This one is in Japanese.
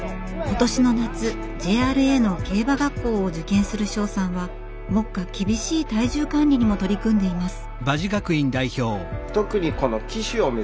今年の夏ＪＲＡの競馬学校を受験する庄さんは目下厳しい体重管理にも取り組んでいます。